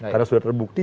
karena sudah terbukti